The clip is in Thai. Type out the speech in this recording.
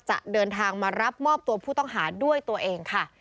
จะเดินทางมารับมอบตัวผู้ต้องหาด้วยตัวเองค่ะ